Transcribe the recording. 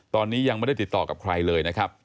ตอนนี้ยังไม่ได้ติดต่อกับใครเลยนะครับ